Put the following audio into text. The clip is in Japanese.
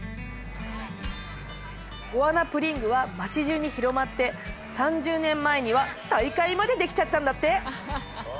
ゴアナ・プリングは町じゅうに広まって３０年前には大会までできちゃったんだって。